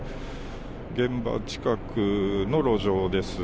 現場近くの路上です。